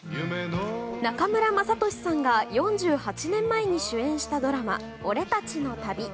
中村雅俊さんが４８年前に主演したドラマ「俺たちの旅」。